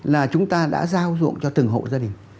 là chúng ta đã giao dụng cho từng hộ gia đình